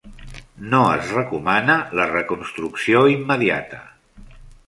No es recomana la reconstrucció immediata.